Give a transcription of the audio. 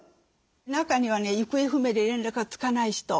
中にはね行方不明で連絡がつかない人。